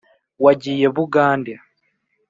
wagiye bugande!